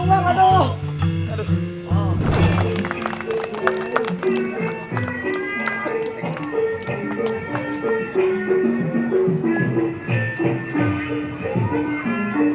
gak ada lagi lagi